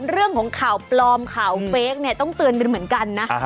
เรื่องของข่าวปลอมข่าวเฟคเนี่ยต้องเตือนไปเหมือนกันนะ